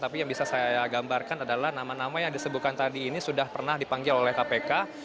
tapi yang bisa saya gambarkan adalah nama nama yang disebutkan tadi ini sudah pernah dipanggil oleh kpk